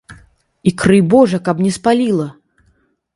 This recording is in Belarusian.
І крый божа, каб не спаліла!